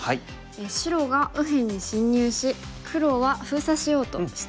白が右辺に侵入し黒は封鎖しようとしてできた局面です。